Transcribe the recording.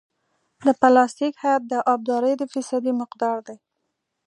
د پلاستیک حد د ابدارۍ د فیصدي مقدار دی